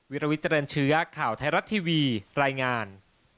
วิลวิทเจริญเชื้อข่าวไทยรัฐทีวีรายงาน